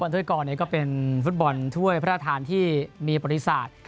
ทุยกรก็เป็นทุยพระทหารที่มีบริษัท